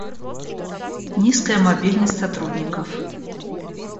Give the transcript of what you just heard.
Низкая мобильность сотрудников